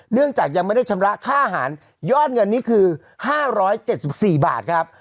เนื่องจากยังไม่ได้ชำระค่าอาหารยอดเงินนี้คือห้าร้อยเจ็ดสิบสี่บาทครับ